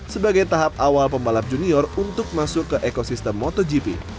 sebagai tahap awal pembalap junior untuk masuk ke ekosistem motogp